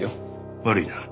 悪いな。